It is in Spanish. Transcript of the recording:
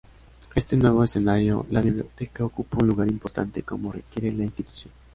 En este nuevo escenario, la biblioteca ocupa un lugar importante como requiere la institución.